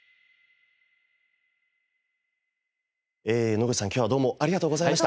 野口さん今日はどうもありがとうございました。